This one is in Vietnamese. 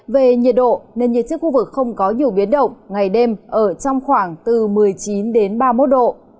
về nhiệt độ nền nhiệt trên khu vực không có nhiều biến động ngày đêm ở trong khoảng từ một mươi chín ba mươi một độ